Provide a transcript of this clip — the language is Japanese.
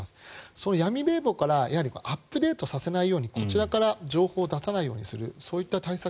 その闇名簿からアップデートさせないようにこちらから情報を出さないようにするそういった対策